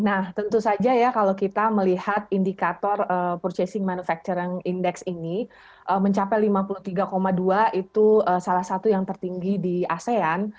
nah tentu saja ya kalau kita melihat indikator purchasing manufacturing index ini mencapai lima puluh tiga dua itu salah satu yang tertinggi di asean